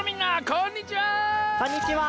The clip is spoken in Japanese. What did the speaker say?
こんにちは！